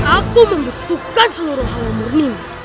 aku membutuhkan seluruh halamurni ini